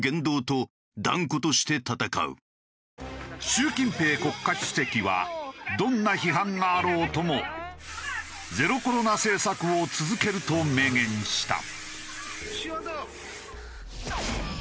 習近平国家主席はどんな批判があろうともゼロコロナ政策を続けると明言した。